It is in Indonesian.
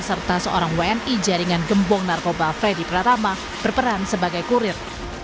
serta seorang wni jaringan gembong narkoba freddy pratama berperan sebagai kurir